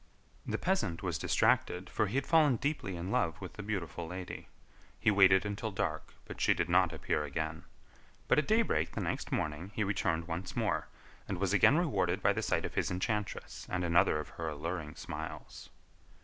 The peasant was distracted, for he had fallen deeply in love with the beautiful lady. He waited until dark, but she did not appear again; but at daybreak the next morning he returned once more, and was again rewarded by the sight of his enchantress and another of her alluring smiles.